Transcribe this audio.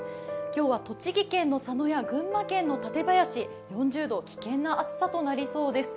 今日は栃木県の佐野や群馬県の館林、４０度、危険な暑さとなりそうです。